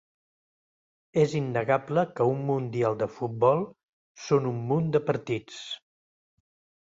És innegable que un Mundial de futbol són un munt de partits.